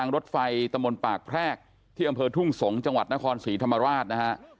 รถไฟตะมนต์ปากแพรกที่อำเภอทุ่งสงศ์จังหวัดนครศรีธรรมราชนะฮะ